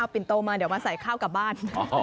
ปิ่นโตมาเดี๋ยวมาใส่ข้าวกลับบ้าน